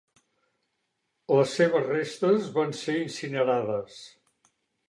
Les seves restes van ser incinerades.